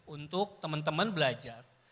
untuk teman teman belajar